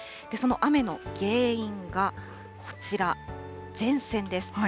その雨の原因が、こちら、前線です。